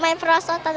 ini juga menyehatkan